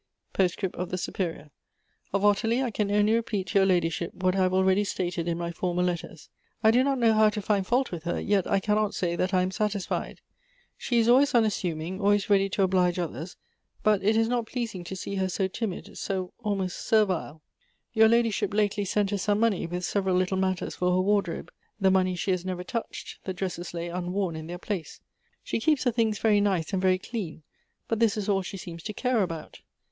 POSTSCRIPT OK THE STTPERIOE. " Of Ottilie, I can only repeat to your ladyship what I have already stated in my former letters. I do not know how to find fault with her, yet I cannot say that I am sat isfied. She is always unassuming, always ready to oblige others ; but it is not pleasing to see her so timid, so almost servile. " Your ladyship lately sent her some money, with sev eral little matters for her wardrobe. The money she has never touched, the dresses lay unworn in their place. She keeps her things very nice and very clean ; but this is all she seems to care about.